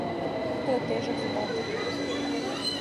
То је тежак задатак.